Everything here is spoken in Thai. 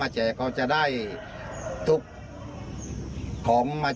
จุภิภาคนสุดท้าย